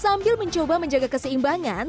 sambil mencoba menjaga keseimbangan